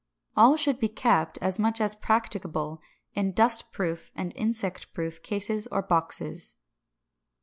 All should be kept, as much as practicable, in dust proof and insect proof cases or boxes.